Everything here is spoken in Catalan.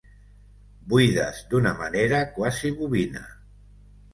Buides d'una manera quasi bovina.